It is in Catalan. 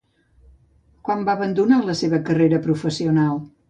Quan va abandonar la seva carrera professional?